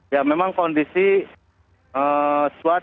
ya memang kondisi swastika